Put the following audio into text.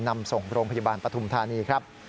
นำส่งโรงพยาบาลปฐุมธานีครับ